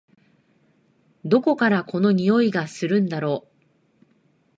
どこからこの匂いがするんだろ？